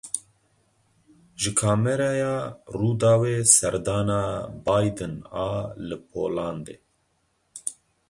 Ji kamereya Rûdawê serdana Biden a li Polandê.